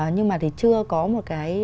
nhưng mà thì chưa có một cái